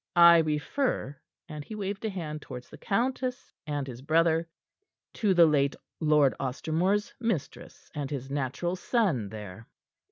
I refer," and he waved a hand towards the countess and his brother, "to the late Lord Ostermore's mistress and his natural son, there."